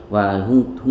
và khung thủ